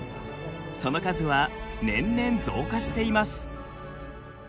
その数は年々増加しています。